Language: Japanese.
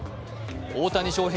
大谷翔平